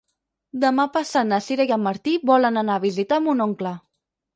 Demà passat na Sira i en Martí volen anar a visitar mon oncle.